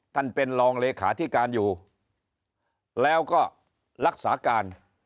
ท่านเป็นรองเลขาธิการอยู่แล้วก็รักษาการ